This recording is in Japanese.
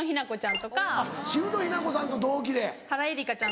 渋野日向子さんと同期で？